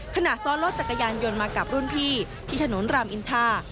ขณะซ้อนรถจักรยานยนต์มากับรุ่นพี่ที่ถนนรามอินทา